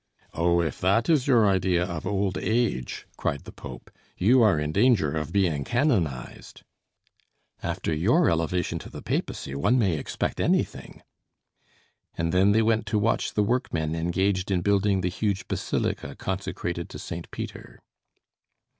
"Oh, if that is your idea of old age," cried the Pope, "you are in danger of being canonized." "After your elevation to the papacy, one may expect anything." And then they went to watch the workmen engaged in building the huge basilica consecrated to St. Peter.